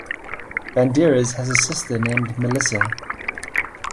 Banderas has a sister named Melissa.